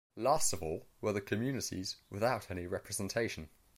Last of all, were the communities without any representation.